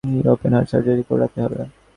ওর open heart surgery করাতে হবে।